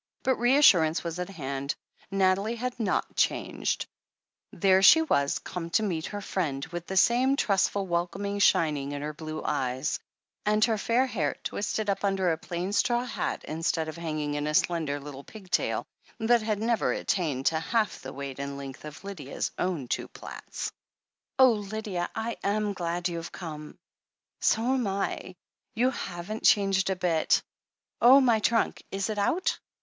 But reassurance was at hand. Nathalie had not changed — ^there she was, come to meet her friend, with the same trustful welcome shining in her blue eyes, and her fair hair twisted up under a plain straw hat instead of hanging in a slender little pigtail, that had never attained to half the weight and length of Lydia's own two plaits. "Oh, Lydia ! I am glad you've come." "So am I! You haven't changed a bit Oh, my trunk! Is it out?"